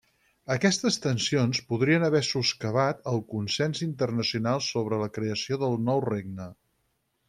Aquestes tensions podrien haver soscavat el consens internacional sobre la creació del nou regne.